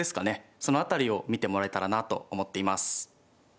その辺りを見てもらえたらなと思っています。